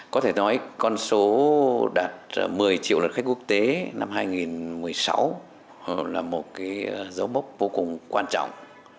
có thể nói con số đạt một mươi triệu lượt khách quốc tế năm hai nghìn một mươi sáu là một dấu mốc vô cùng quan trọng